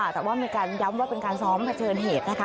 แต่ว่ามีการย้ำว่าเป็นการซ้อมเผชิญเหตุนะคะ